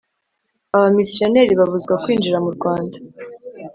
abamisiyonari babuzwa kwinjira mu Rwanda